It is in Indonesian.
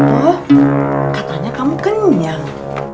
oh katanya kamu kenyang